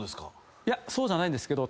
そうじゃないんですけど。